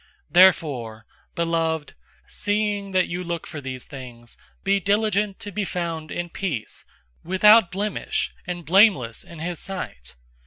003:014 Therefore, beloved, seeing that you look for these things, be diligent to be found in peace, without blemish and blameless in his sight.